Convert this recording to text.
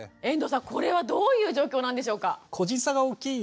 これはどういう状況なんでしょうか？